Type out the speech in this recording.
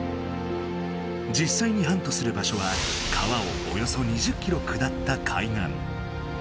じっさいにハントする場所は川をおよそ２０キロ下った海岸。